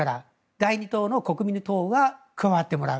第２党の国民の党が加わってもらう。